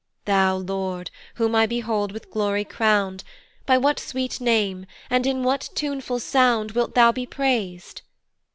"Thou, Lord, whom I behold with glory crown'd, "By what sweet name, and in what tuneful sound "Wilt thou be prais'd?